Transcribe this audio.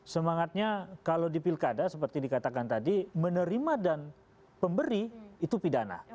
semangatnya kalau di pilkada seperti dikatakan tadi menerima dan pemberi itu pidana